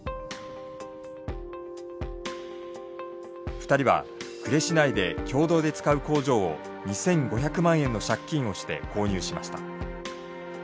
２人は呉市内で共同で使う工場を２，５００万円の借金をして購入しました。